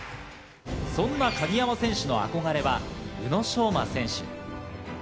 そんな鍵山選手の憧れは宇野昌磨選手。